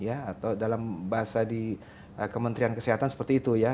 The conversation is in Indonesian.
atau dalam bahasa di kementerian kesehatan seperti itu ya